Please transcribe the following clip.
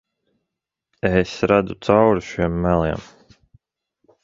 Es redzu cauri šiem meliem.